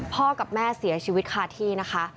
พ่อกับแม่เสียชีวิตคาที่นะคะ